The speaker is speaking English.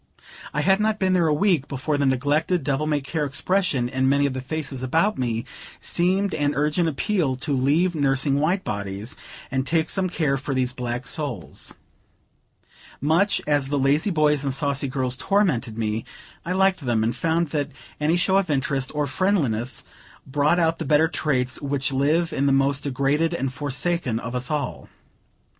I had not been there a week, before the neglected, devil may care expression in many of the faces about me, seemed an urgent appeal to leave nursing white bodies, and take some care for these black souls. Much as the lazy boys and saucy girls tormented me, I liked them, and found that any show of interest or friendliness brought out the better traits which live in the most degraded and forsaken of us all.